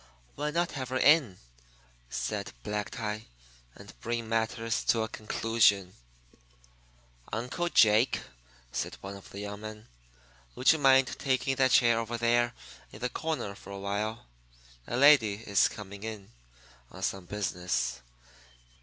"Why not have her in," said Black Tie, "and bring matters to a conclusion?" "Uncle Jake," said one of the young men, "would you mind taking that chair over there in the corner for a while? A lady is coming in on some business.